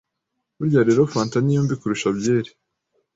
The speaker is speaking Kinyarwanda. Burya rero fanta ni yo mbi kurusha byeri